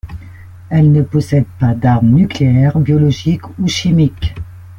Elle ne possède pas d’armes nucléaires, biologiques ou chimiques.